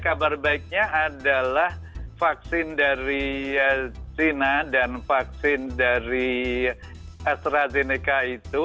kabar baiknya adalah vaksin dari china dan vaksin dari astrazeneca itu